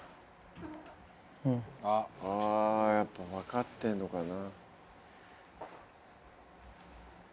あぁやっぱ分かってんのかな。